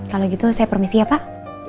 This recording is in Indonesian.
kalau gitu saya permisi ya pak